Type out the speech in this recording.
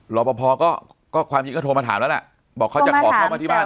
รอปภก็ความจริงก็โทรมาถามแล้วแหละบอกเขาจะขอเข้ามาที่บ้าน